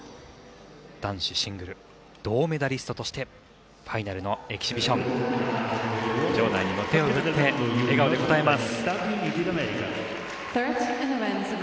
男子シングル銅メダリストとしてファイナルのエキシビション場内に手を振って笑顔で応えます。